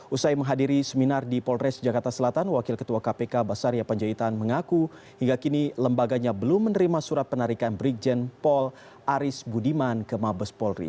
usai menghadiri seminar di polres jakarta selatan wakil ketua kpk basaria panjaitan mengaku hingga kini lembaganya belum menerima surat penarikan brigjen paul aris budiman ke mabes polri